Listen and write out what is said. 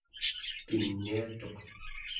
piniatuq